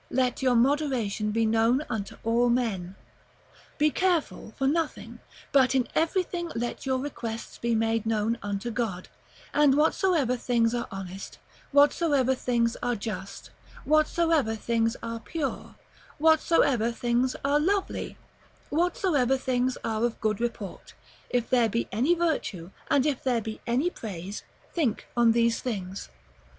Let your moderation be known unto all men. Be careful for nothing, but in everything let your requests be made known unto God; and whatsoever things are honest, whatsoever things are just, whatsoever things are pure, whatsoever things are lovely, whatsoever things are of good report, if there be any virtue, and if there be any praise, think on these things."